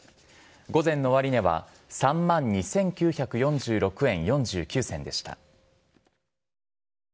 午前の終値は３万２９４６円４９銭でした。